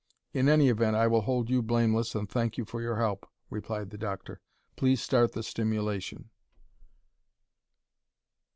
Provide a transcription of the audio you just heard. "In any, event I will hold you blameless and thank you for your help," replied the doctor. "Please start the stimulation."